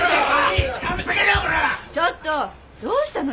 ちょっとどうしたのよ？